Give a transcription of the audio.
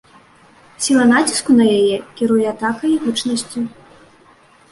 Сіла націску на яе кіруе атакай і гучнасцю.